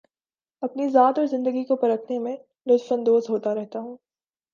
اپنی ذات اور زندگی کو پرکھنے میں لطف اندوز ہوتا رہتا ہوں